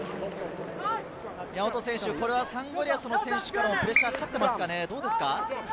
これはサンゴリアスの選手からもプレッシャーがかかっていますか？